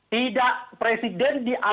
tidak presiden diaktifkan